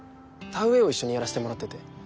田植えを一緒にやらせてもらってて。